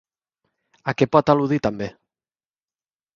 A què pot al·ludir també?